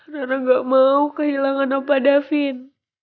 rara gak mau kehilangan opa davin